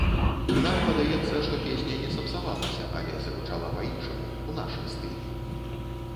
Нам падаецца, што песня не сапсавалася, але загучала па-іншаму, у нашым стылі.